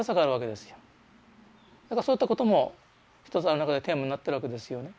だからそういったことも一つあの中でテーマになってるわけですよね。